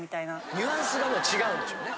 ニュアンスがもう違うんでしょうね。